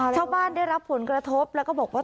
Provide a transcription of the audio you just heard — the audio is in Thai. ชาวบ้านได้รับผลกระทบแล้วก็บอกว่า